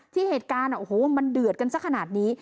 ที่เหตุการณ์โอ้โหมันเดือดกันสักขนาดนี้